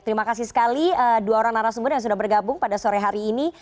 terima kasih sekali dua orang narasumber yang sudah bergabung pada sore hari ini